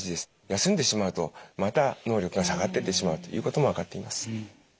休んでしまうとまた脳力が下がってってしまうということも分かっています。